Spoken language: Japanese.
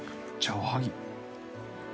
おはぎ。